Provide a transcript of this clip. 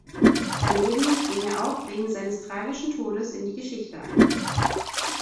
Daneben ging er auch wegen seines tragischen Todes in die Geschichte ein.